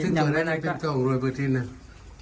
ซึ่งใกล้ใดอย่างนี้เป็นเจ้าโรยพยาบาลที่นั่น